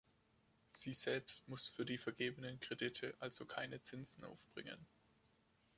Sie selbst muss für die vergebenen Kredite also keine Zinsen aufbringen.